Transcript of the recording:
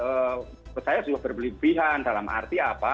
saya rasa itu juga apa saya sudah berbeli belihan dalam arti apa